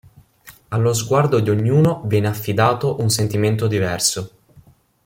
Allo sguardo di ognuno viene affidato un sentimento diverso.